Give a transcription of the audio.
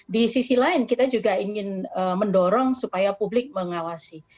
di sisi lain kita juga ingin mendorong supaya publik mengawasi